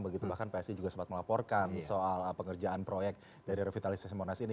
begitu bahkan psi juga sempat melaporkan soal pengerjaan proyek dari revitalisasi monas ini